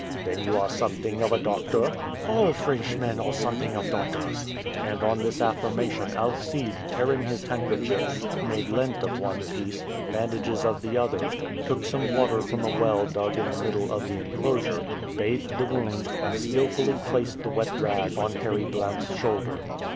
"Then you are something of a doctor?" "All Frenchmen are something of doctors." And on this affirmation Alcide, tearing his handkerchief, made lint of one piece, bandages of the other, took some water from a well dug in the middle of the enclosure, bathed the wound, and skillfully placed the wet rag on Harry Blount's shoulder.